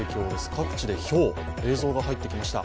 各地でひょう、映像が入ってきました。